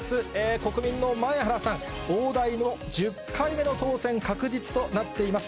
国民の前原さん、大台の１０回目の当選が確実となっています。